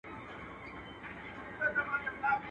د هلمند څخه شرنګى د امېلونو.